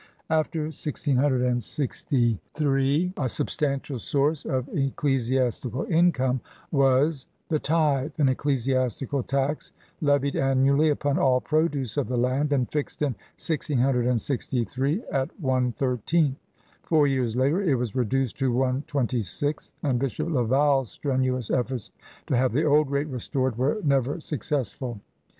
After 1663, a substantial soiurce of ecclesiastical income was the tithe, an ecclesiastical tax levied annually upon all produce of the land, and fixed in 1663 at one thirteenth. Four years later it was reduced to one twenty sixth, and Bishop Laval's strenuous efforts to have the old rate restored were never successful.